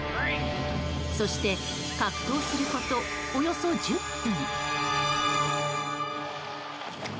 そして格闘することおよそ１０分。